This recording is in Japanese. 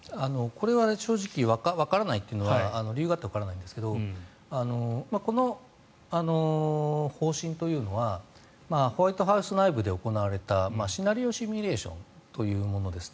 これは正直わからないというのは理由があってわからないんですがこの方針というのはホワイトハウス内部で行われたシナリオシミュレーションというものです。